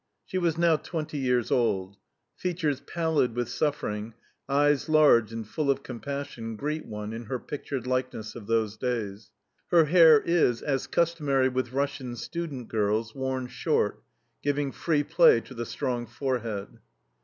She was now twenty years old. Features pallid with suffering, eyes large and full of compassion, greet one in her pictured likeness of those days. Her hair is, as customary with Russian student girls, worn short, giving free play to the strong forehead.